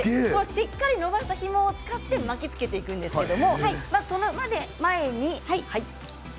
しっかり伸ばしたひもを使って巻きつけていくんですけれどもその前に。